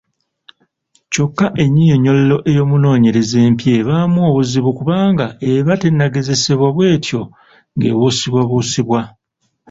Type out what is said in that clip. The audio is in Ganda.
Kyokka ennyinyonnyolero ey’omunoonyereza empya ebaamu obuzibu kubanga eba tennagezesebwa bw’etyo ng’ebuusibwabuusibwa.